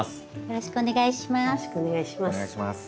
よろしくお願いします。